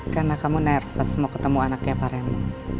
karena kamu nervous mau ketemu anaknya parengmu